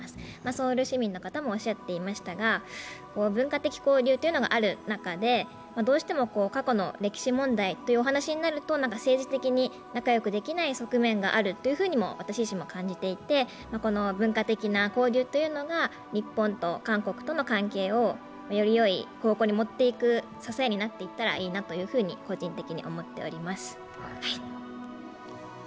ソウル市民の方もおっしゃっていましたが文化的交流というのがある中で、どうしても過去の歴史問題というお話になると、政治的に仲良くできない側面があるというふうにも私自身も感じていて文化的な交流が日本と韓国との関係をよりよい方向に持っていく支えになっていったらいいなと個人的に思っております。